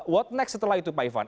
what next setelah itu pak ivan